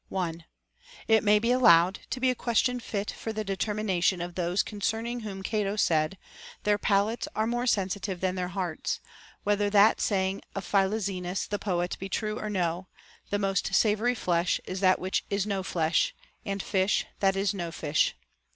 It may be allowed to be a question fit for the deter mination of those concerning whom Cato said, Their palates are more sensitive than their hearts, whether that saying of Philoxenus the poet be true or no, The most savory flesh is that which is no flesh, and fish that is no fish.